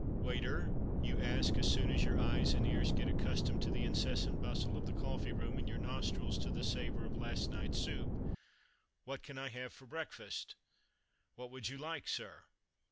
"Waiter," you ask, as soon as your eyes and ears get accustomed to the incessant bustle of the coffee room, and your nostrils to the savour of last night's soup, "what can I have for breakfast?" "What would you like, sir?"